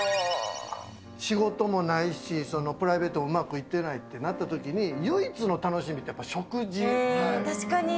仕事もないし、プライベートもうまくいってないってなったときに、唯一の楽しみ確かに。